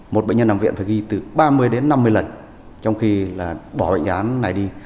một bệnh nhân nằm viện phải ghi từ ba mươi đến năm mươi lần trong khi là bỏ bệnh án này đi